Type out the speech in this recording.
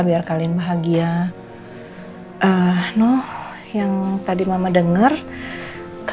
bilang ke aku